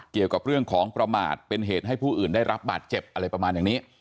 เกี่ยวกับเรื่องของประมาทเป็นเหตุให้ผู้อื่นได้รับบาดเจ็บอะไรประมาณอย่างนี้